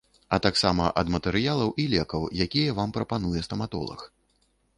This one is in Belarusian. А таксама ад матэрыялаў і лекаў, якія вам прапануе стаматолаг.